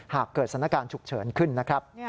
หากเกิดสถานการณ์ฉุกเฉินขึ้นนะครับ